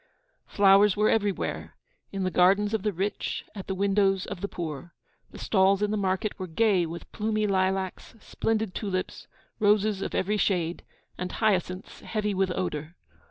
Flowers were everywhere, in the gardens of the rich, at the windows of the poor. The stalls in the market were gay with plumy lilacs, splendid tulips, roses of every shade, and hyacinths heavy with odour.